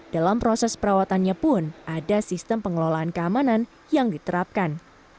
dalam proses perawatannya pun ada sistem pengelolaan keamanan yang diterapkan